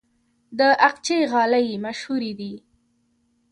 د اقچې غالۍ مشهورې دي